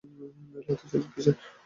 নইলে আত্মীয়স্বজন কিসের।